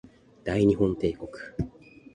大日本帝国